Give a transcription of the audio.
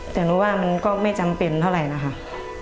แต่หนูว่ามันก็ไม่จำเป็นเท่าไหร่นะคะ